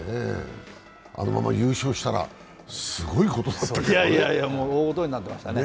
あのまま優勝したらすごいことになっていましたよね。